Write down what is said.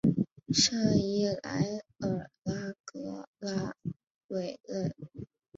圣伊莱尔拉格拉韦勒。